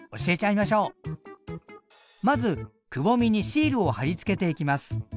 まずくぼみにシールを貼り付けていきます。